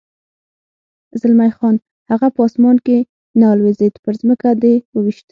زلمی خان: هغه په اسمان کې نه الوزېد، پر ځمکه دې و وېشت.